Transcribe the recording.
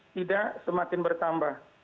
tidak semakin bertambah